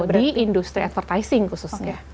di industri advertising khususnya